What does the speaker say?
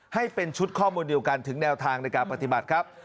ให้เป็นชุดข้อมูลเดียวกันถึงแนวทางในการปฏิบัติครับ